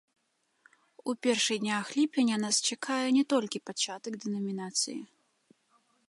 У першых днях ліпеня нас чакае не толькі пачатак дэнамінацыі.